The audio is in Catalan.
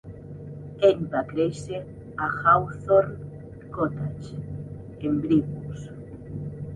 Ell va créixer a Hawthorne Cottage, en Brigus.